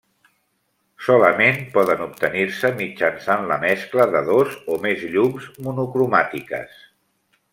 Solament poden obtenir-se mitjançant la mescla de dos o més llums monocromàtiques.